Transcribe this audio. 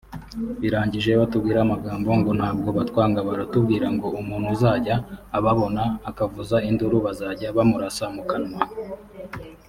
birangije batubwira amagambo…ngo ntabwo batwanga…baratubwira ngo umuntu uzajya ababona akavuza induru bazajya bamurasa mu kanwa